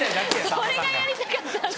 それがやりたかったんだ。